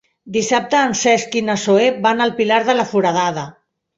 Dissabte en Cesc i na Zoè van al Pilar de la Foradada.